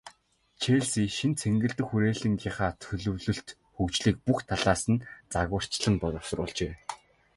Челси шинэ цэнгэлдэх хүрээлэнгийнхээ төлөвлөлт, хөгжлийг бүх талаас нь загварчлан боловсруулжээ.